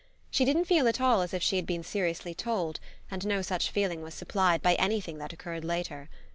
She didn't feel at all as if she had been seriously told, and no such feeling was supplied by anything that occurred later.